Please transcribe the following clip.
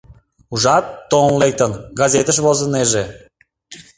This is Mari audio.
Ужат, толын лектын, газетыш возынеже.